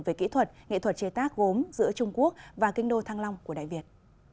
về kỹ thuật nghệ thuật chế tác gốm giữa trung quốc và kinh đô thăng long của đại việt